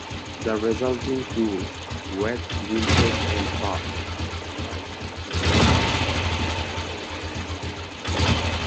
The resulting cool, wet winters and hot, dry summers create a Mediterranean-type ecosystem.